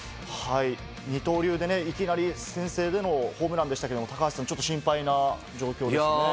二刀流でいきなり先制でのホームランでしたけれども、高橋さん、ちょっと心配な状況ですね。